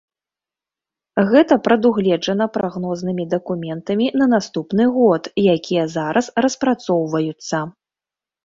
Гэта прадугледжана прагнознымі дакументамі на наступны год, якія зараз распрацоўваюцца.